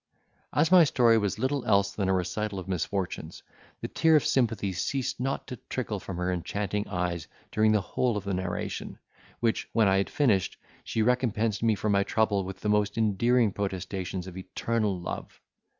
As my story was little else than a recital of misfortunes, the tear of sympathy ceased not to trickle from her enchanting eyes during the whole of the narration, which, when I had finished, she recompensed me for my trouble with the most endearing protestations of eternal love.